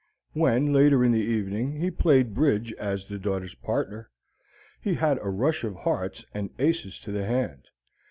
When, later in the evening, he played bridge as the daughter's partner, he had a rush of hearts and aces to the hand.